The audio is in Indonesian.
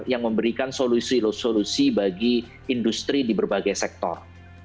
yang memberikan solusi solusi bagi industri di berbagai sektor